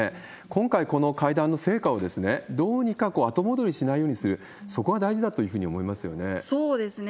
今回、この会談の成果をどうにか後戻りしないようにする、そこが大事だそうですね。